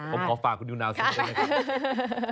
ผมขอฝากคุณนิวนาวสักครั้งเลย